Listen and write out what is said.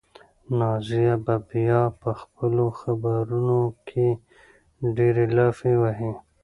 نازیه به بیا په خپلو خبرو کې ډېرې لافې وهي.